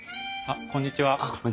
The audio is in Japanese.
あっこんにちは。